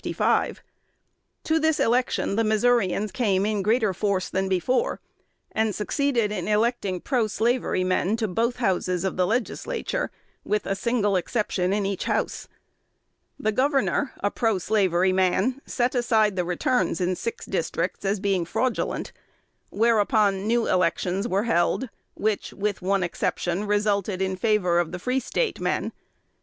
To this election the Missourians came in greater force than before; and succeeded in electing proslavery men to both Houses of the Legislature, with a single exception in each house. The governor, a proslavery man, set aside the returns in six districts, as being fraudulent; whereupon new elections were held, which, with one exception, resulted in favor of the Free State men.